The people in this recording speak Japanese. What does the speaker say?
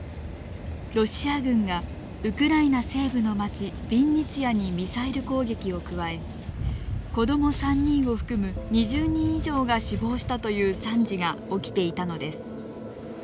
ロシア軍がウクライナ西部の町ビンニツィアにミサイル攻撃を加え子ども３人を含む２０人以上が死亡したという惨事が起きていたのです。